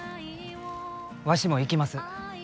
わしも行きます。